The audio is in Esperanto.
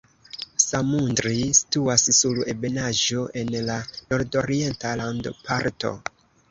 Samundri situas sur ebenaĵo en la nordorienta landparto.